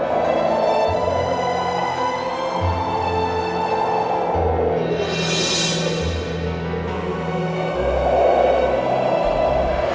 kamu sudah menjadi milikku